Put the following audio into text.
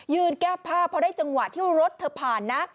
แก้ผ้าพอได้จังหวะที่รถเธอผ่านนะ